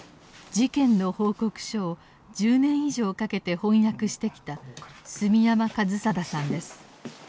事件の報告書を１０年以上かけて翻訳してきた住山一貞さんです。